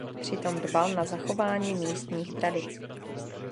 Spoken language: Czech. Přitom dbal na zachování místních tradic.